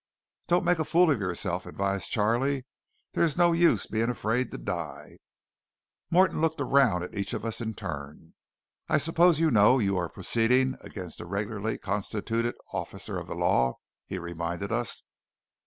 "Don't make a fool of yourself," advised Charley; "there's no use being afraid to die." Morton looked around at each of us in turn. "I suppose you know you are proceeding against a regularly constituted officer of the law?" he reminded us.